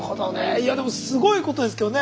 いやでもすごいことですけどね。